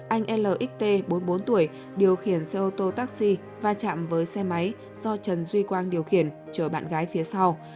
anh lt bốn mươi bốn tuổi điều khiển xe ô tô taxi va chạm với xe máy do trần duy quang điều khiển chở bạn gái phía sau